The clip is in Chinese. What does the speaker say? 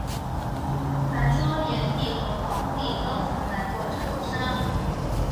传说炎帝和黄帝都曾来过长沙。